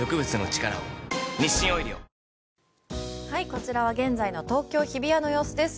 こちらは現在の東京・日比谷の様子です。